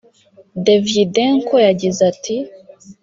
Davydenko yagize ati